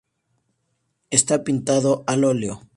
Está pintado al óleo.